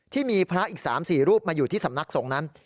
ที่มีพระอีก๓๔รูปมาอยู่ที่สำนักสงฆ์นั้น